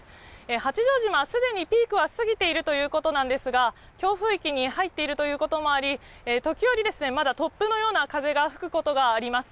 八丈島、すでにピークは過ぎているということなんですが、強風域に入っているということもあり、時折、まだ突風のような風が吹くことがあります。